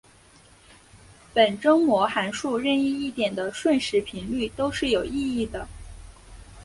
本征模函数任意一点的瞬时频率都是有意义的。